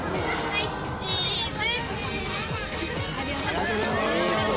はいチーズ。